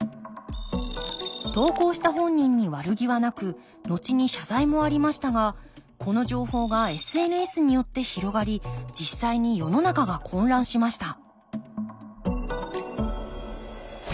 投稿した本人に悪気はなくのちに謝罪もありましたがこの情報がＳＮＳによって広がり実際に世の中が混乱しました